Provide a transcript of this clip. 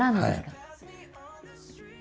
はい。